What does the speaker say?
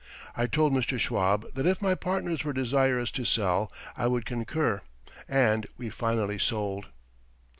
I told Mr. Schwab that if my partners were desirous to sell I would concur, and we finally sold.